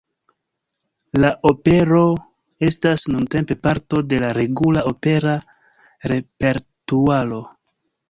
La opero estas nuntempe parto de la regula opera repertuaro.